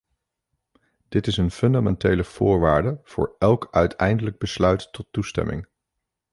Dit is een fundamentele voorwaarde voor elk uiteindelijk besluit tot toestemming.